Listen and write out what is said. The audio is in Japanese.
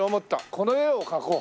この絵を描こう！